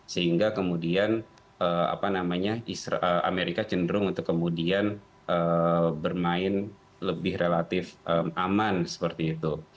sehingga kemudian amerika cenderung untuk kemudian bermain lebih relatif aman seperti itu